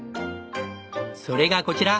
それがこちら！